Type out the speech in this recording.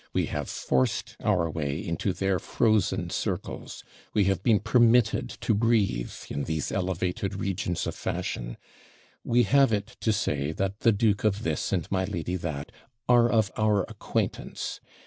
We have forced our way into their frozen circles; we have been permitted to breathe in these elevated regions of fashion; we have it to say, that the duke of this, and my lady that, are of our acquaintance.